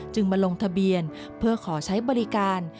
มาลงทะเบียนเพื่อขอใช้บริการ